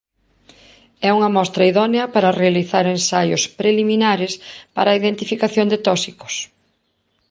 É unha mostra idónea para realizar ensaios preliminares para a identificación de tóxicos.